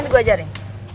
nanti gue ajarin